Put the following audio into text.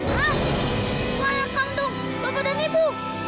hah aku anak kandung bapak dan ibu